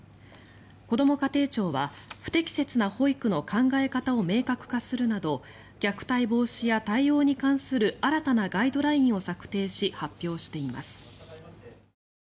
こども家庭庁は不適切な保育の考え方を明確化するなど虐待防止や対応に関する新たなガイドラインを策定し発表しています。